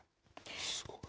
すごい。